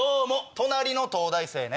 隣の東大生ね。